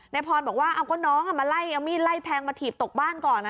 พรบอกว่าเอาก็น้องมาไล่เอามีดไล่แทงมาถีบตกบ้านก่อน